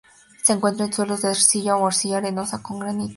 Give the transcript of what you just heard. Se encuentra en suelos de arcilla o arcilla arenosa con granito.